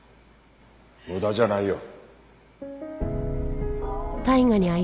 無駄じゃないよ。